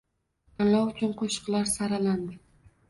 Tanlov uchun qo‘shiqlar saralandi